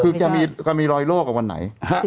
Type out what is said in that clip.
คือแกมีรอยโรคกับวันไหน